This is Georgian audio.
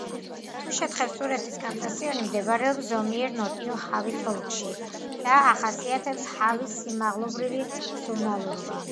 თუშეთ-ხევსურეთის კავკასიონი მდებარეობს ზომიერ ნოტიო ჰავის ოლქში და ახასიათებს ჰავის სიმაღლებრივი ზონალურობა.